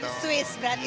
di swiss berarti ya